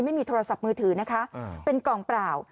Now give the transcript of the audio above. ไม่มีโทรศัพท์มือถือนะคะเป็นกล่องเปล่า